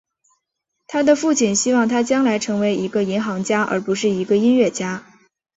他的父亲希望他将来成为一个银行家而不是一个音乐家。